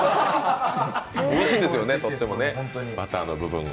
おいしいんですよね、とってもね、バターの部分が。